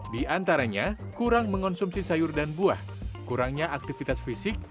di antaranya kurang mengonsumsi sayur dan buah kurangnya aktivitas fisik